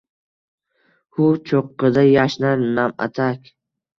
Huv… cho’qqida yashnar na’matak.